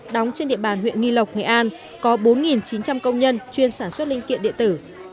đóng trên địa bàn huyện nghi lộc nghệ an có bốn chín trăm linh công nhân chuyên sản xuất linh kiện điện tử